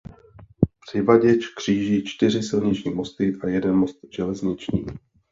Přivaděč kříží čtyři silniční mosty a jeden most železniční.